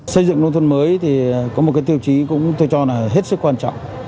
xây dựng nông thôn mới có một tiêu chí tôi cho là hết sức quan trọng